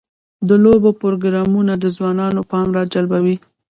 د لوبو پروګرامونه د ځوانانو پام راجلبوي.